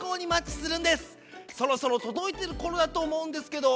そろそろとどいてるころだとおもうんですけど。